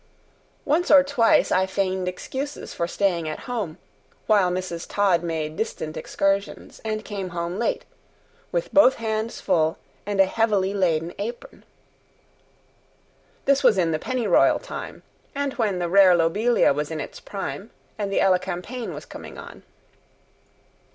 Once or twice I feigned excuses for staying at home, while Mrs. Todd made distant excursions, and came home late, with both hands full and a heavily laden apron. This was in pennyroyal time, and when the rare lobelia was in its prime and the elecampane was coming on.